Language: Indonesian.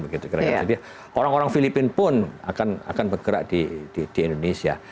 karena orang orang filipina pun akan bergerak di indonesia